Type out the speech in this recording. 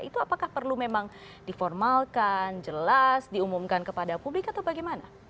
itu apakah perlu memang diformalkan jelas diumumkan kepada publik atau bagaimana